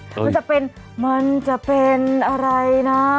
มันจะเป็นมันจะเป็นอะไรนะ